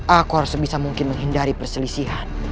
aku harus sebisa mungkin menghindari perselisihan